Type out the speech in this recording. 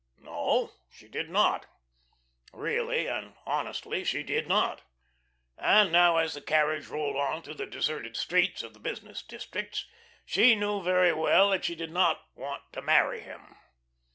No, she did not; really and honestly she did not; and now as the carriage rolled on through the deserted streets of the business districts, she knew very well that she did not want to marry him.